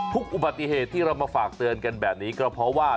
อุบัติเหตุที่เรามาฝากเตือนกันแบบนี้ก็เพราะว่า